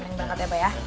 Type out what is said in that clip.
neng bangat ya pak ya